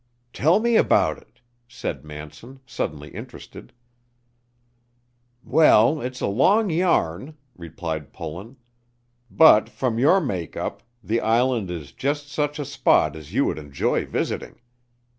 "Tell me about it," said Manson, suddenly interested. "Well, it is a long yarn," replied Pullen, "but, from your make up, the island is just such a spot as you would enjoy visiting.